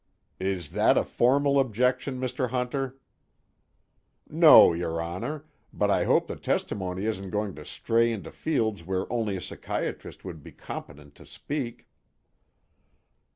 "Is that a formal objection, Mr. Hunter?" "No, your Honor. But I hope the testimony isn't going to stray into fields where only a psychiatrist would be competent to speak."